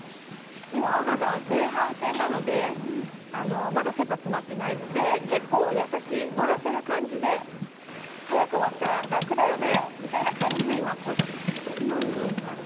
今はまだ前半戦なのでまだ切羽詰まってないので結構、優しい乗らせる感じで早く終わったら楽だよねみたいな感じで今は声をかけてます。